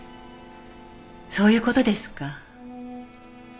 そういうことですか。